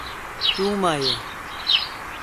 تو اوما یہ۔